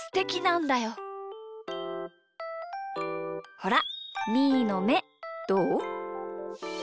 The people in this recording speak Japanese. ほらみーのめどう？